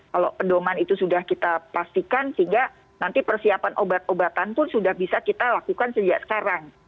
kalau pedoman itu sudah kita pastikan sehingga nanti persiapan obat obatan pun sudah bisa kita lakukan sejak sekarang